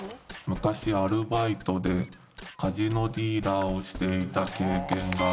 昔アルバイトでカジノディーラーをしていた経験があります。